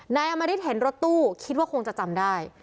นายอมริตเห็นรถตู้คิดว่าคงจะจำได้